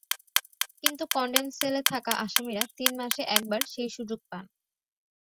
কিন্তু কনডেম সেলে থাকা আসামিরা তিন মাসে একবার সেই সুযোগ পান।